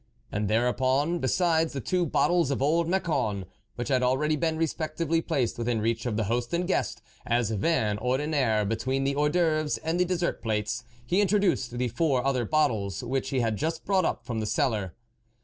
" And thereupon, besides the two bottles of old Macon, which had already been respectively placed within reach of the host and guest, as vin ordinaire, between the Hors d'oeuvres and the des sert plates, he introduced the four other bottles which he had just brought up from the cellar.